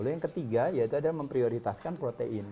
yang ketiga yaitu adalah memprioritaskan protein